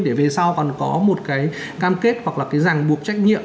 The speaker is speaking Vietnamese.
để về sau còn có một cái cam kết hoặc là cái ràng buộc trách nhiệm